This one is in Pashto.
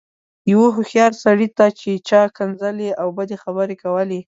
يوه هوښيار سړي ته چا ښکنځلې او بدې خبرې کولې.